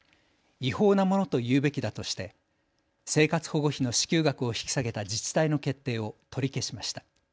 違法なものというべきだとして生活保護費の支給額を引き下げた自治体の決定を取り消しました。